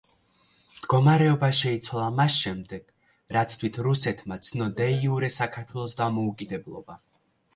მდგომარეობა შეიცვალა მას შემდეგ, რაც თვით რუსეთმა ცნო დე იურე საქართველოს დამოუკიდებლობა.